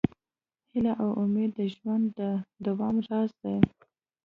هیله او امید د ژوند د دوام راز دی.